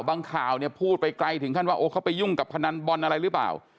ข่าวเนี่ยพูดไปไกลถึงขั้นว่าโอ้เขาไปยุ่งกับพนันบอลอะไรหรือเปล่า